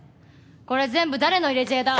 これ全部誰の入れ知恵だ！